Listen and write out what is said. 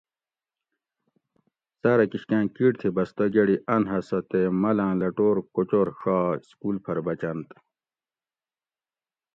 سارہ کِشکاں کِٹ تھی بستہ گۤڑی اۤن ھسہ تے ملاۤں لٹور کوچور ڛا سکول پۤھر بۤچنت